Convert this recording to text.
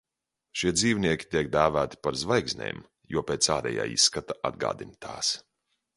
"Šie dzīvnieki tiek dēvēti par "zvaigznēm", jo pēc ārējā izskata atgādina tās."